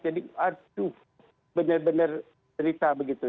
jadi aduh benar benar serita begitu